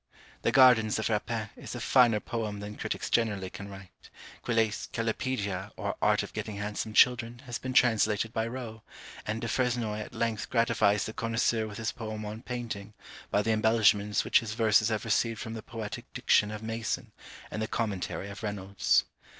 The Gardens of Rapin is a finer poem than critics generally can write; Quillet's Callipedia, or Art of getting handsome Children, has been translated by Rowe; and Du Fresnoy at length gratifies the connoisseur with his poem on Painting, by the embellishments which his verses have received from the poetic diction of Mason, and the commentary of Reynolds.